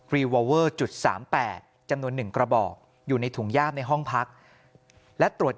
รีวอเวอร์จุด๓๘จำนวน๑กระบอกอยู่ในถุงย่ามในห้องพักและตรวจ